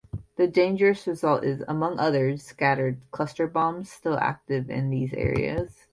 The dangerous result is, among others, scattered cluster bombs, still active in these areas.